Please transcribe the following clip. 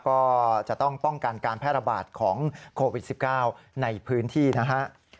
ก็จะต้องป้องกันการแพร่ระบาดของโควิด๑๙ในพื้นที่นะฮะ